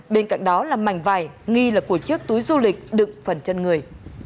bên cạnh đó là mảnh vải nghi là của chiếc túi du lịch đựng phần chân người